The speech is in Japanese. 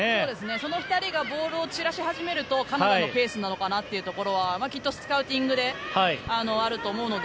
その２人がボールを散らし始めるとカナダのペースなのかなというのはきっと、あると思うので。